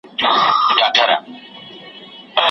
ښوروله یې لکۍ کاږه ښکرونه